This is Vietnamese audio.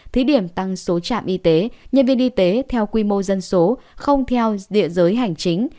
thí điểm tăng số trạm y tế nhân viên y tế theo quy mô dân số không theo địa giới hành chính